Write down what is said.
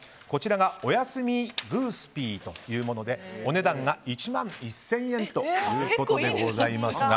こちらがおやすみグースピーというものでお値段が１万１０００円です。